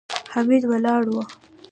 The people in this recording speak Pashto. حميد ولاړ و.